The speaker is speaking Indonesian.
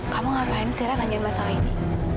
kamu ngapain zaira nganjurin masalah ini